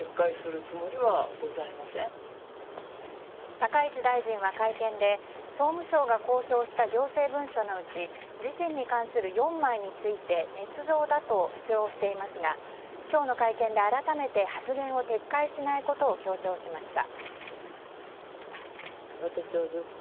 高市大臣は会見で総務省が公表した行政文書のうち自身に関する４枚についてねつ造だと主張していますが今日の会見で改めて発言を撤回しないことを強調しました。